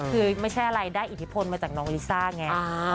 คือไม่ใช่อะไรได้อิทธิพลมาจากน้องลิซ่าไง